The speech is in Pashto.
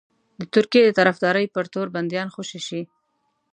د ترکیې د طرفدارۍ په تور بنديان خوشي شي.